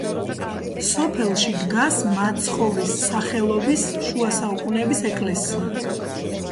სოფელში დგას მაცხოვრის სახელობის შუა საუკუნეების ეკლესია.